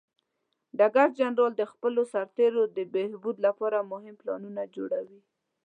ډګر جنرال د خپلو سرتیرو د بهبود لپاره مهم پلانونه جوړوي.